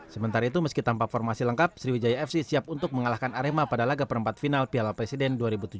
sementara itu meski tanpa formasi lengkap sriwijaya fc siap untuk mengalahkan arema pada laga perempat final piala presiden dua ribu tujuh belas